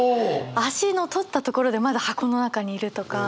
足の取ったところでまだ箱の中にいるとか。